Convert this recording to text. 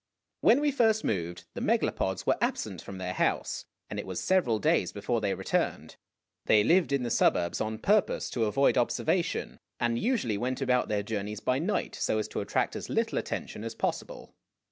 When we first moved, the Megalopods were absent from their house, and it was several days before they returned. They lived in the suburbs on purpose to avoid observation, and usually went about their journeys by night so as to attract as little attention as possible.